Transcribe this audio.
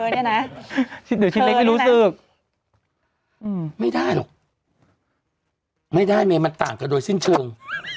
เดี๋ยวชิ้นเล็กไม่รู้สึกไม่ได้หรอกไม่ได้เมย์มันต่างกันโดยสิ้นเชิง